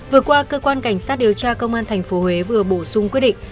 vừa qua cơ quan cảnh sát điều tra công an tp huế vừa bổ sung quyết định